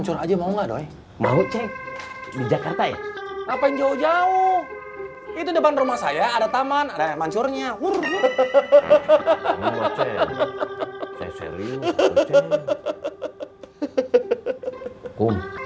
kum datang terjun yuk